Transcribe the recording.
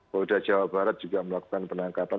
polda jawa barat juga melakukan penangkapan